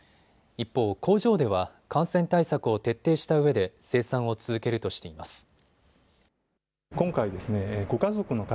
一方、工場では感染対策を徹底したうえで生産を続けるとしています。